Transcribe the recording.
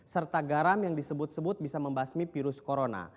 serta garam yang disebut sebut bisa membasmi virus corona